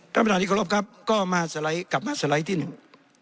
ท่านประธานที่เคารพครับก็มาสไลด์กลับมาสไลด์ที่หนึ่ง